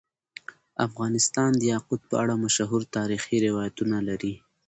افغانستان د یاقوت په اړه مشهور تاریخی روایتونه لري.